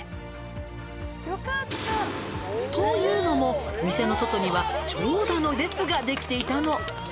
「というのも店の外には長蛇の列ができていたの」